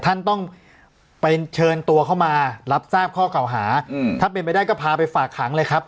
ท่านต้องไปเชิญตัวเข้ามารับทราบข้อเก่าหาถ้าเป็นไปได้ก็พาไปฝากขังเลยครับ